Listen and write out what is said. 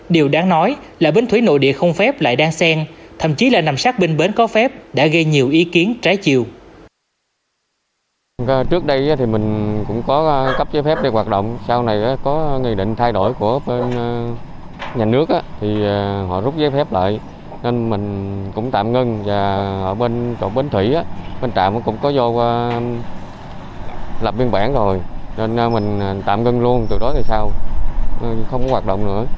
điều đáng nói là bến thủy nội địa không phép lại đang sen thậm chí là nằm sát bên bến có phép đã gây nhiều ý kiến trái chiều